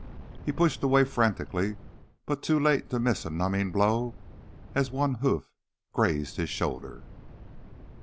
He pushed away frantically, but too late to miss a numbing blow as one hoof grazed his shoulder.